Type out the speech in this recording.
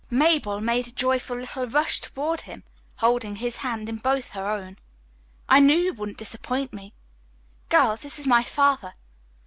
Mabel made a joyful little rush toward him, holding his hand in both her own. "I knew you wouldn't disappoint me. Girls, this is my father.